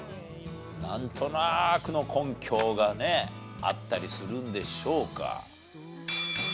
なんとなくの根拠がねあったりするんでしょうか？